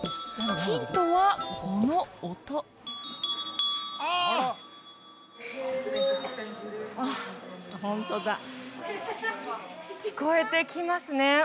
ヒントはこの音聞こえてきますね